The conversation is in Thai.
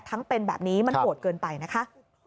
ทั้งเป็นแบบนี้มันโหดเกินไปนะคะ